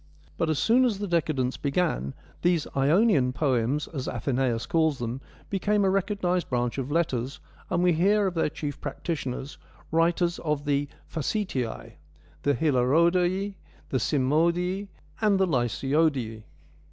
But as soon as the decadence began, these ' Ionian poems,' as Athenaeus calls them, became a recognised branch of letters, and we hear of their chief practitioners, writers of 1 facetiae,' the ' Hilarodoi,' the ' Simodoi,' and the 1 Lysiodoi.'